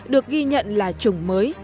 được ghi nhận là chủng mới